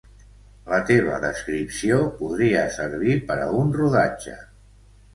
La teva descripció podria servir per a un rodatge.